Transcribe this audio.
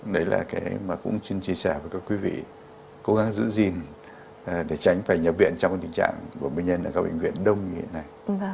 đấy là cái mà cũng xin chia sẻ với các quý vị cố gắng giữ gìn để tránh phải nhập viện trong tình trạng của bệnh nhân ở các bệnh viện đông như hiện nay